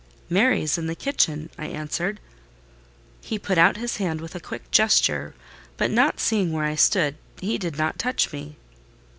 "Mary is in the kitchen," I answered. He put out his hand with a quick gesture, but not seeing where I stood, he did not touch me.